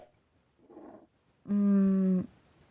อืม